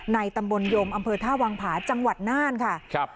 ตำบลยมอำเภอท่าวังผาจังหวัดน่านค่ะครับ